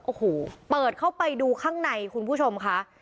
โอ้โหเปิดเข้าไปดูข้างในคุณผู้ชมค่ะ